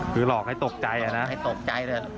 คือหลอกให้ตกใจอ่ะนะหลอกให้ตกใจเลย